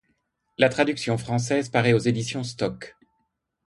La traduction française paraît en aux éditions Stock.